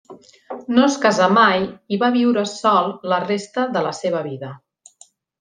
No es casà mai i va viure sol la resta de la seva vida.